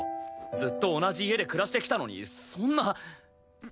ずっと同じ家で暮らしてきたのにそんな。